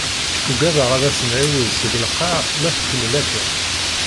Uggadeɣ ad as-d-nɛiwed seg lqaɛ ma tkemmel akka.